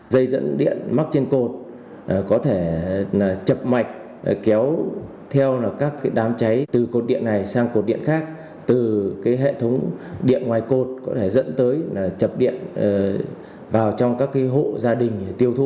dây dẫn điện mắc trên cột có thể chập mạch kéo theo các đám cháy từ cột điện này sang cột điện khác từ hệ thống điện ngoài cột có thể dẫn tới chập điện vào trong các hộ gia đình để tiêu thụ